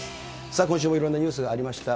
さあ今週もいろいろなニュースがありました。